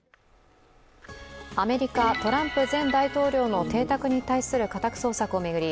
アメリカ・トランプ前大統領の邸宅に対する家宅捜索を巡り